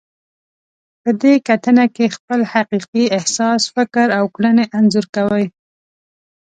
په دې کتنه کې خپل حقیقي احساس، فکر او کړنې انځور کوئ.